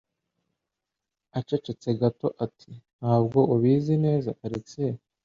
Aceceka gato ati: "Ntabwo ubizi neza, Alex".